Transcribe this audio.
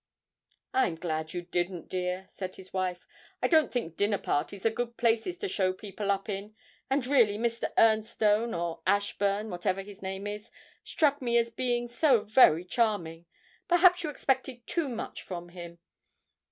'I'm glad you didn't, dear,' said his wife; 'I don't think dinner parties are good places to show people up in, and really Mr. Ernstone, or Ashburn, whatever his name is, struck me as being so very charming perhaps you expected too much from him.'